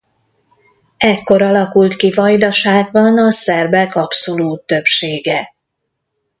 Ekkor alakult ki Vajdaságban a szerbek abszolút többsége.